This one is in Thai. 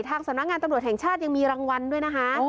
สำนักงานตำรวจแห่งชาติยังมีรางวัลด้วยนะคะ